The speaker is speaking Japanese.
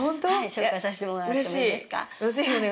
紹介させてもらってもいいですか？